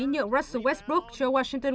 nhận russell westbrook cho washington